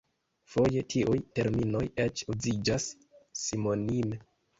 Foje tiuj terminoj eĉ uziĝas sinonime.